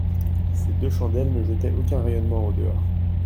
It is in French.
Ces deux chandelles ne jetaient aucun rayonnement au dehors.